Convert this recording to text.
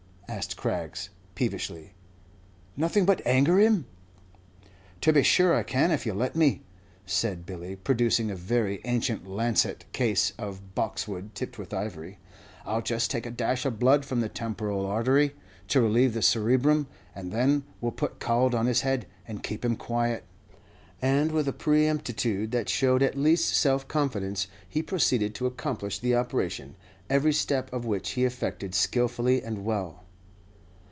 asked Craggs, peevishly "nothing but anger him?" "To be sure I can if you let me," said Billy, producing a very ancient lancet case of boxwood tipped with ivory. "I'll just take a dash of blood from the temporal artery, to relieve the cerebrum, and then we'll put cowld on his head, and keep him quiet." And with a promptitude that showed at least self confidence, he proceeded to accomplish the operation, every step of which he effected skilfully and well.